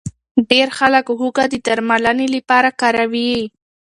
ډېر خلک هوږه د درملنې لپاره کاروي.